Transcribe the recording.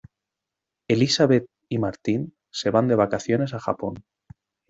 Elisabet y Martín se van de vacaciones a Japón.